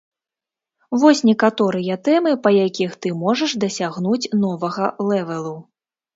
Вось некаторыя тэмы, па якіх ты можаш дасягнуць новага лэвэлу.